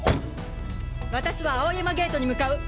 私は青山ゲートに向かう！